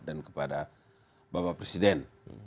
dan kepada bapak presiden